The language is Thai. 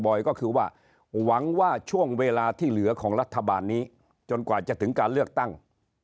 ก็คือว่าหวังว่าช่วงเวลาที่เหลือของรัฐบาลนี้จนกว่าจะถึงการเลือกตั้ง